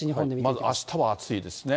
まずあしたは暑いですね。